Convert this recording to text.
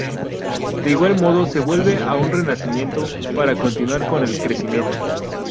De igual modo se vuelve a un renacimiento; para continuar con el crecimiento.